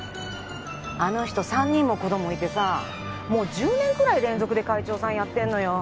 あの人３人も子供いてさもう１０年くらい連続で会長さんやってんのよ